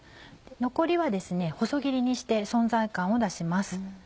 残りは細切りにして存在感を出します。